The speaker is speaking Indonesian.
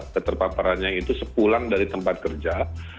keterpaparannya itu sepulang dari tempat kerja